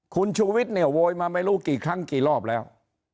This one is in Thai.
คุณชูวิทย์เนี่ยโวยมาไม่รู้กี่ครั้งกี่รอบแล้ว